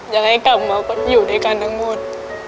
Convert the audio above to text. อยากให้กลับมาก็อยู่ด้วยกันทั้งหมด